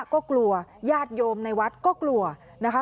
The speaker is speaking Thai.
ก็กลัวญาติโยมในวัดก็กลัวนะคะ